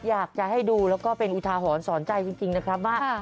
อยากจะให้ดูแล้วก็เป็นอุทาหรณ์สอนใจจริงนะครับว่า